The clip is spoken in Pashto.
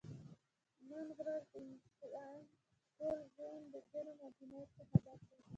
نن ورځ د انسان ټول ژون د جرم او جنایت څخه ډک دی